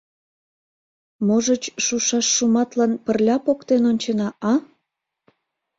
Можыч, шушаш шуматлан пырля поктен ончена, а?